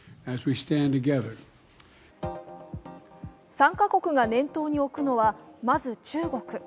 ３か国が念頭に置くのは、まず中国。